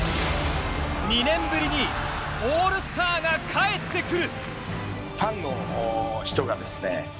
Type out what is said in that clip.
２年ぶりにオールスターが帰ってくる。